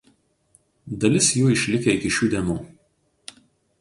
Dalis jų išlikę iki šių dienų.